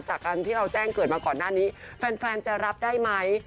จากการที่เราแจ้งเกิดมาก่อนหน้านี้แฟนจะรับได้ไหม